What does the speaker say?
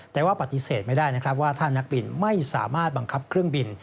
แต่ว่าปฏิเสธไม่ได้นะครับว่าถ้านักบินไม่สามารถบังคับเครื่องบิน